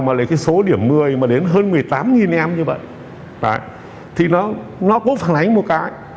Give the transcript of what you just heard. một số điểm một mươi mà đến hơn một mươi tám em như vậy thì nó có phản ánh một cái